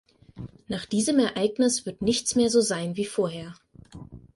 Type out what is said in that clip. Nach diesem Ereignis wird nichts mehr so sein wie vorher.